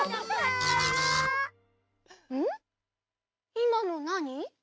いまのなに？